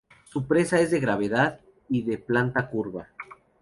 Su presa es de gravedad y de planta curva.